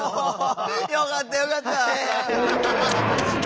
よかったよかった！